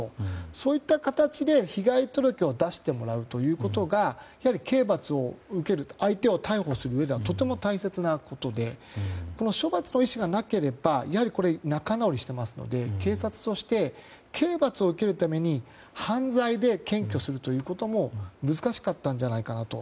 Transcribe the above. そういった形で被害届を出してもらうということが刑罰を受ける相手を逮捕するうえではとても大切なことでこの処罰の意思がなければ仲直りしていますので警察として、刑罰を受けるために犯罪で検挙するということも難しかったんじゃないかなと。